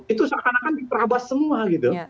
itu seakan akan diperhabah semua gitu